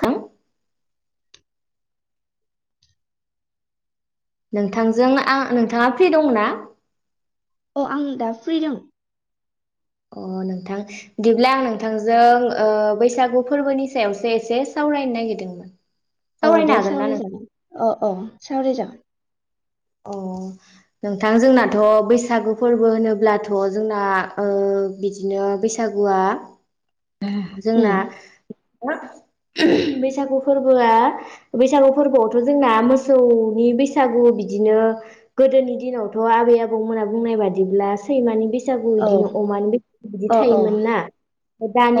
खां नोंथांजों आं नोंथाङा फ्रि दङ ना अ आं दा फ्रि दों अ नोंथां दिब्ला आं नोंथांजों ओ बैसागु फोरबोनि सायावसो एसे सावरायनो नागिरदोंमोन अ सावरायनो दे हागोन ना सावराय नों जागोन अ अ सावराय जा [unintelligible] अ नोंथां जोंनाथ' बैसागु फोरबो होनोब्लाथ' जोंना ओ बिदिनो बैसागुआ ओ जोंना उम [unintelligible] बैसागु फोरबोआ बैसागु फोरबोआवथ' जोंना मोसौनि बैसागु बिदि बिदिनो गोदोनि दिनावथ' आबै आबौमोना बुंनाय बादिब्ला सैमानि बैसागु बैसागु औ बिदिनो अमानि [unintelligible] बिदि अ अ थायोमोन ना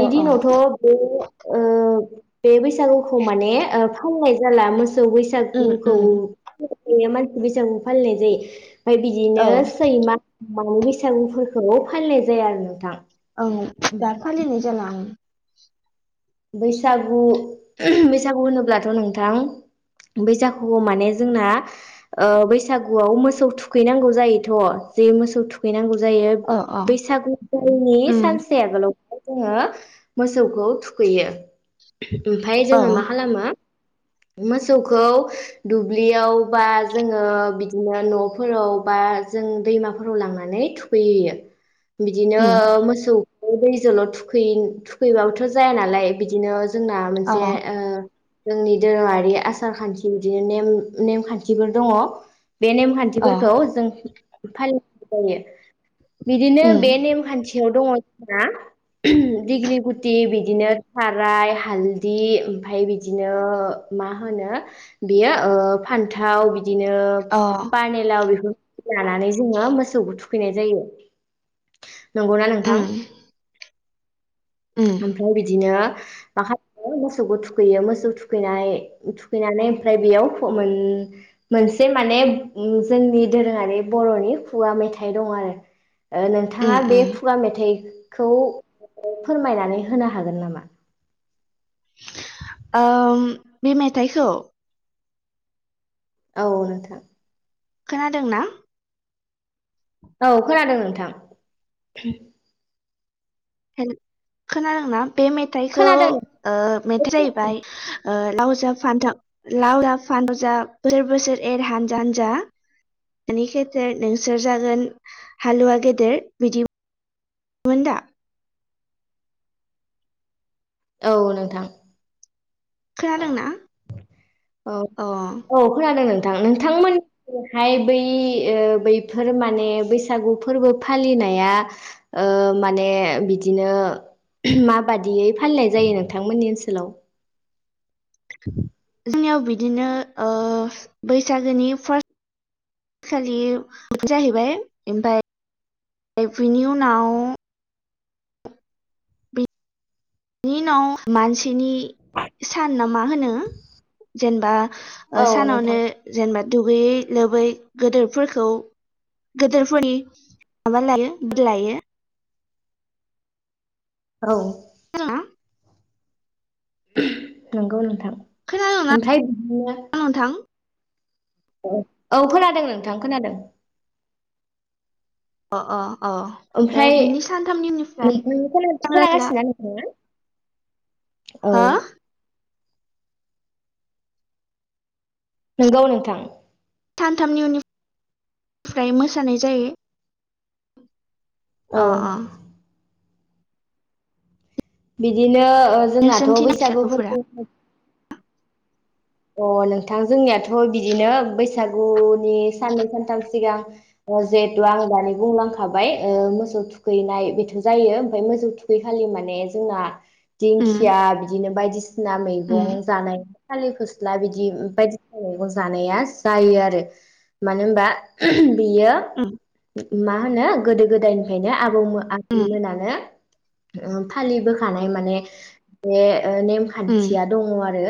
अ अ दिनावथ' बे ओ बे बैसा बैसागुखौ माने [unintelligible] जाला मोसौ सौ उम बैसागुखौ उम [unintelligible] बैसागु फालिनाय जायो ओमफाय बिदिनो औ सैमा [unintelligible] बैसागुफोरखौ फालिनाय जाया आरो नोंथां औ दा फालिनाय जाला आं बैसागु बैसागु होनोब्लाथ नोंथां बैसागुखौ माने जोंना ओ बैसागुआव मोसौ थुखैनांगौ जायोथ' जे मोसौ थुखैनांगौ जायो अ अ बैसागुनि उम सानसे आगोलाव जोङो मोसौखौ थु खैयो ओमफाय अ जोङो मा खालामो मोसौखौ दुब्लियाव बा जोङो बिदिनो नफोराव बा जों दैमाफोराव लांनानै थुखैहैयो‌ बिदिनो उम मोसौ दैजोल थुखै-थुखैबाबोथ जो जाया नालाय बिदिनो जो जोंना अ मोनसे ओ जोंनि दोरोङारि आसार खान्थि बिदिनो नेम-नेमखान्थिफोर दङ बे अ नेमखान्थिफोरखौ जों फालिनाय जायो बिदिनो उम बे नेमखान्थियाव दङ हा [unintelligible] दिगलि गुथि बिदि बिदिनो थाराय हालदि ओमफ्राय बिदिनो मा होनो बियो ओ फान्थाव बि बिदिनो अ पानेलाव बेफो लानानै जोङो मोसौखौ थुखैनाय जायो नंगौना नोंथां उम उम ओमफ्राय बिदिनो मा खालामो मोसौखौ थुखैयो मोसौ थुखैनाय थुखैनानै ओमफ्राय बेयाव मोन मोनसे माने जोंनि दोरोङारि बरनि खुगा मेथाइ दं आरो ओ उम नोंथाङा बे उम खुगा मेथाइ खौ फोरमायनानै हो होनो हागोन नामा ओ बे मेथाइखौ औ नोंथां खोनादों ना औ खोनादों नोंथां हेल खोनादों ना बे मेथाइखौ खोनादों ओ मेथाइया जाहैबाय ओ लाव जा फानथाव लाव जा फानथाव जा बोसोर बोसोर एर हानजा हानजा बिमानि खेथेर नोंसोर जागोन हालुआ गेदेर बिदिमोन दा औ नोंथां खोनादोंना औ अ औ खानादों नों थां नोंथांमोननिहाय बै बैफोर माने बैसागु फोरबो फालिनाया ओ माने बिदिनो [unintelligible] माबादियै फालिनाय जायो नोंथांमोननि ओनसोलाव [inaudible] जोंनियाव बिदिनो ओ बैसागोनि फार्स्ट खालि जाहैबाय ओमफाय बिनि उनाव बिनि उनाव मानसिनि सान ना मा होनो जेनबा ओ औ नोंथां सानावनो जेनेबा दुगैयै लोबै गोदोरफोरखौ गोदोरफोरनि माबा लायो [unintelligible] लायो औ [unintelligible] नंगौ नोंथां खोनादोंना ओमफ्राय बिदिनो नोंथां औ खोनादों नोंथां खोनादों अ अ अ ओ ओमफ्राय बिनि सानथामनि उननिफ्राय नोंथां [inaudible] खोनागासिनोना नोंथाङा? औ हा नंगौ नोंथां सानथामनि उननि फ्राय मोसानाय जायो औ अ अ बिदिनो ओ जोंनाथ नोंसोरनिथिं बैसागोफोरा बैसागुफोरबो अ नोंथां जोंनियाथ बिदिनो बैसागुनि साननै सानथाम सिगां ओ जिहेथु आं दानि बुंलांखाबाय मोसौ थुखैनाय बेथ जायो ओमफ्राय मोसौ थुखैखालि माने जोंना उम दिंखिया बिदिनो बायदि बिना उम मैगं जानाय आलि खुस ला बिदि बायदिसिना मैगं जानाया जायो आरो मानो होमबा बियो उम मा होनो गोदो गोदायनिफ्रायनो आ आबौमोन उम आबैमोनानो ओम फालिबोखानाय माने बे ओ उम नेमखान्थिया दङ आरो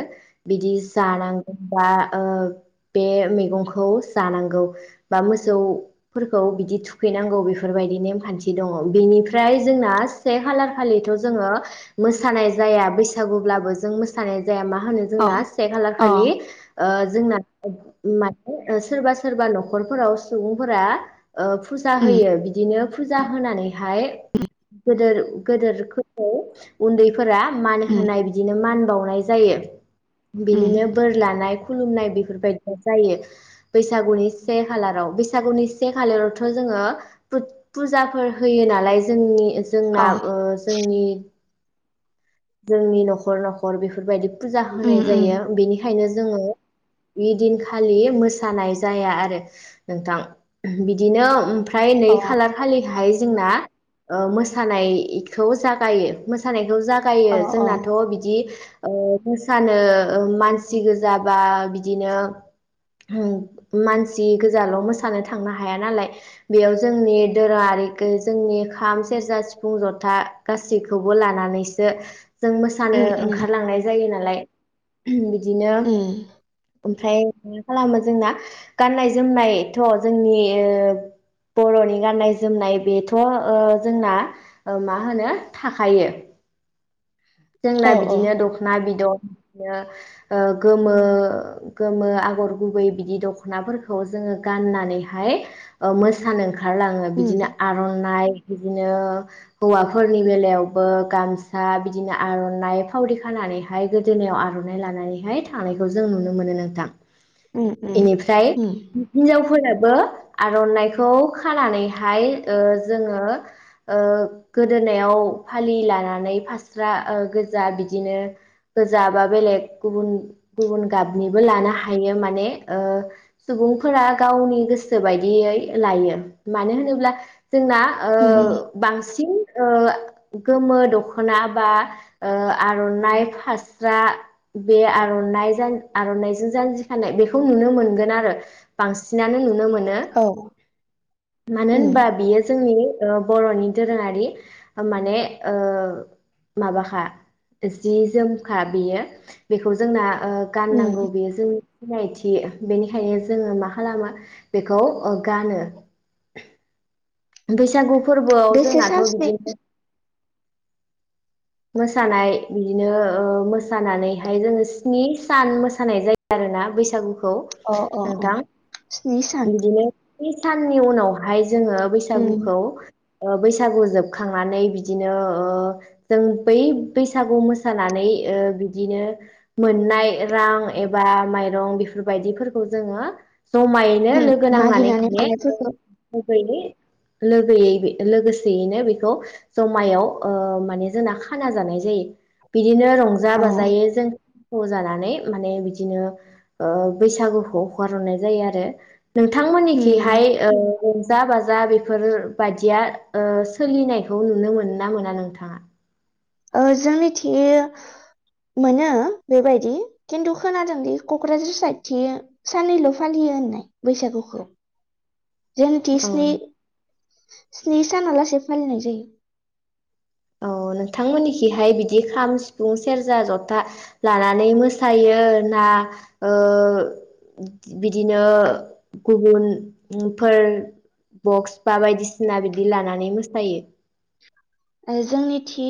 बिदि जानांगौ बा ओ बे मैगंखौ जानांगौ बा मोसौ फोरखौ बिदि थुखैनांगौ बेफोरबायदि नेमखान्थि दङ बेनिफ्राय जोंना से खालार खालिथ जोङो मोसानाय जाया बैसागुब्लाबो जों मोसानाय जाया मा होनो अ जोंना अ खालारखालि ओ ओ जोंना [unintelligible] माने ओ सोरबा सोरबा नखरफोराव सुबुंफोरा ओ फुजा उम होयो बिदिनो फुजा होनानै फाय गोदोर गोदोर [unintelligible] उन्दै फोरा मान उम होनाय बिदिनो मान बाव नाय जायो उम बिनिनो बोर लानाय खुलुमनाय बेफोरबायदिया जायो बैसागुनि से खालाराव बैसागुनि से खालारावथ' जोङो फु-फुजाफोर होयो नालाय जोंनि जोंना अ ओ जोंनि जोंनि न'खर न'खर बेफोरबायदि फुजा उम होनाय उम जायो बेनिखायनो जोङो ऐदिनखालि मोसानाय जाया आरो नोंथां बिदिनो [unintelligible] फ्राय नै अ खालार खालिहाय जोंना ओ मोसानायखौ जागायो मोसानाय खौ जागायो अ जोंनाथ' बिदि अ मोसानो ओ मानसि गोजा बा बिदिनो [unintelligible] मानसि गोजाल मोसानो थांनो हाया नालाय बेयाव जोंनि दोरोङारि जोंनि खाम सेरजा सिफुं जथा गासैखौबो लानानैसो जों मोसानो उम उम ओंखारलांनाय जायो नालाय [unintelligible] बिदिनो उम ओमफ्राय मा खालामो जोंना गाननाय जोमनायथ' जोंनि बर'नि गाननाय जोमनाय बेथ' ओ जोंना मा होनो थाखायो औ जोंना औ बिदिनो दखना बिदन ओ गोमो गोमो आगर गुबै बिदि दखनाफोरखौ जोङो गाननानैहाय ओ मोसानो ओंखार ओंखारलाङो उम बिदिनो आरनाइ बिदिनो हौवाफोरनि बेलायावबो गामसा बिदि बिदिनो आरनाइ फावरि खानानैहाय गोदोनायाव आरनाइ लानानैहाय थांनायखौ जों नुनो मोनो नोंथां उम एनिफ्राय उम हिनजावफोर [unintelligible] ओ आरनाइखौ खानानैहाय ओ जोङो ओ गोदोनायाव फालि लानानै फास्रा रा ओ गोजा बिदिनो गोजा बा बेलेग गुबुन गुबुन गाबनिबो लानो हायो माने ओ सुबुंफोरा गावनि गोसो बायदियै लायो मानो होनोब्ला जोंना ओ उम बांसिन ओ गोमो दखना बा ओ आरनाइ फास्रा बे आरनाइ आरनाइजों जानजि खानाय बेखौ नुनो मोनगोन आरो बांसिनानो नुनो मोन [unintelligible] मानो औ उम होनबा बियो जोंनि औ बर'नि दोरोङारि माने ओ माबाखा जि जोमखा बेयो बेखौ जोंना ओ गाननांगौ उम बेयो जों सिनायथि बेनिखायनो जोङो मा खालामो बेखौ ओ गानो बैसागु फोरबोआव बेसे जोंनाथ सान स्नि बिदिनो मोसानाय बिदिनो ओ मोसानानैहाय जोङो स्नि सान मोसानाय जायो आरोना बैसागुखौ औ अ अ अ नोंथां स्नि सान बिदिनो बै साननि उनावहाय जोङो उम बैसागुखौ ओ बैसागु जोबखांनानै बिदिनो ओ जों बै बैसागु मोसानानै ओ बिदिनो मोननाय रां एबा माइरं बेफोरबायदिखौ जोङो जमायैनो उम लोगो नांनानै मागिनानै माने मोननायफोरखौ बेबायदि लोगोयै बे लोगोसेयैनो बेखौ जमायाव ओ माने जोंना खाना जानाय जायो बि बिदिनो रंजा अ बाजायै जों फ जानानै माने बिदिनो ओ बैसागुखौ हगारहरननाय जायो आरो उम नोंथांमोननिखिहाय रंजा बाजा बे बेफोर बादिया ओ सोलिनायखौ नुनो मोनो ना मोना नोंथाङा ओ जोंनिथि मोनो बेबायदि खिन्थु खोनादोंदि कक्राझार साइद थि साननैल फालियो होननाय बैसागुखौ औ जोंनिथिस्नि स्नि सानालासे फालिनाय जायो औ नोंथांमोननिखिहाय बिदि खाम सिफुं सेरजा जथा लानानै मोसायो ना ओ बिदिनो गुबुनफोर बक्स बा बायदिसिना बिदि लानानै मोसायो जोंनि थि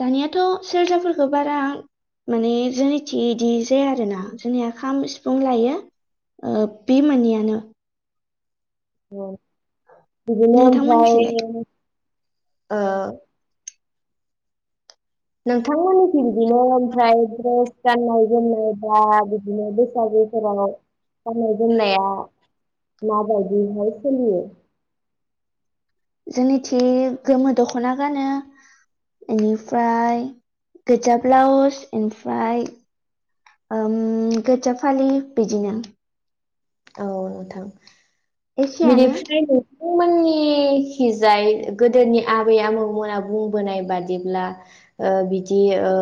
दानियाथ सेरजाफोरखो बारा माने जोंनि थि इदि जाया आरोना जोंनिया खाम सिफुं लायो ओ बे मोननैयानो औ बिदिनो ओमफ्राय नोंथांमोननिथिलाय ओ नोंथांमोननिखि बिदिनो ओमफ्राय द्रेस गाननाय जोमनाय बा बिदिनो बैसागुफोराव गाननाय जोमनाया माबायदिहाय सोलियो जोंनिथि गोमो दखना गानो इनिफाय गोजा ब्लाउस इमफाय ओम गोजा फालि बिदिनो औ नोंथां एखेयानो बिनिफ्रायनो मोननिखिजाय गोदोनि आबै आबौमोना बुंबोनाय बादिब्ला ओ बिदि ओ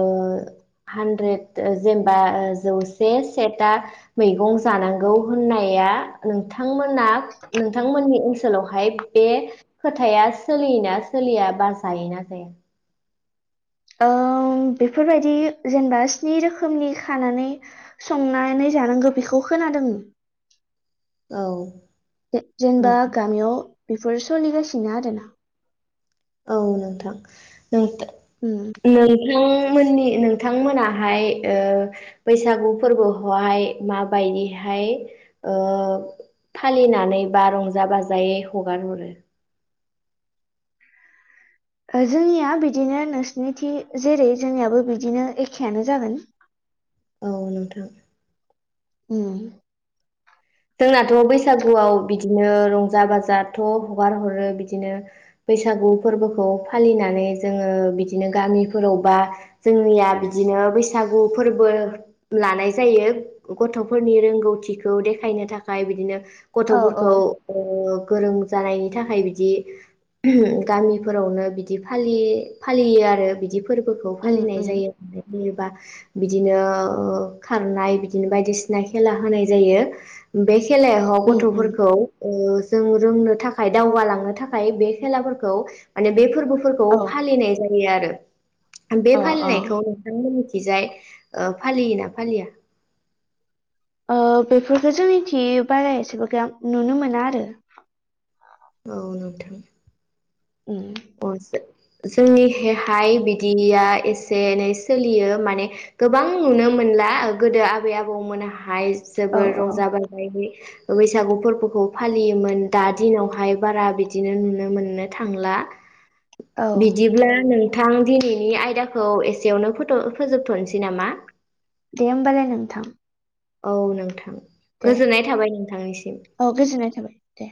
हानद्रेद जेनबा जौसे सेथा मैगं जानांगौ होननाया नोंथांमोना नोंथांमोननि ओनसोलावहाय बे खोथाया सोलियोना सोलिया बा जायोना जाया ओ बेफोरबायदि जेनेबा स्नि रोखोमनि खानानै संनानै जानांगो बेखौ खोनादों औ नों जेनबा गामियाव बेफोर सोलिगासिनो आरोना औ नोंथां उम [unintelligible] नों नोंथांमोननि नोंथांमोनाहाय ओ बैसागु फोरबोखौहाय माबायदिहाय ओ फालिनानै बा रंजा बाजायै हगारहरो हो जोंनिया बिदिनो नोंसिनिथि जेरै जोंनियाबो बिदिनो एखेआनो जागोन औ नोंथां उम जोंनाथ बैसागुआव बिदिनो रंजा बाजाथ हगार हरो बिदिनो बैसागु फोरबोखौ फालिनानै जोङो बिदिनो गामिफोरावबा जोंनिया बिदिनो बैसागु फोरबो लानाय जायो गथफोरनि रोंगौथिखौ दे खायनो थाखाय बिदिनो औ औ गथफोरखौ ओ गोरों जानायनि थाखाय बिदि गामिफोरावनो बिदि फालि फालियो आरो बिदि फोरबोखौ उम फालिनाय उम जायो बियोबा बिदिनो खारनाय बिदिनो बायदिसिना खेला होनाय जायो बे खेलायाव उम उम गथ'फोरखौ ओ जों रोंनो थाखाय थाखाय दावगालांनो थाखाय बे खेलाफोरखौ माने बे फोरबो फोरखौ औ फालिनाय जायो आरो [inaudible] बे अ अ फालिनायखौ नोंथां मोननिथिं बिजाय ओ फालियो ना फालिया बेफोरखो जोंनिथि बाराऐसेगोबां आं नुनो मोना आरो औ नुथों उम अ सो जोंनिहहाय बिदिया एसे एनै सोलियो माने गोबां नुनो मोनला गोदो आबै आबौमोनहाय औ जोबोर औ रंजा [unintelligible] बैसागु फोरबोखौ फालियोमोन दा दिनावहाय बारा बिदिनो नुनो मोननो थांला औ बिदिब्ला नों नोंथां दिनैनि आयदाखौ एसेयावनो फोथ फोजोबथ'नोसै नामा दे होमबालाय नोंथां औ नोंथां दे गोजोननाय थाबाय नोंथांनिसिम औ गोजोननाय थाबाय दे